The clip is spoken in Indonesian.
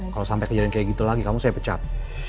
kalau sampai kejadian kayak gitu lagi kamu saya pecat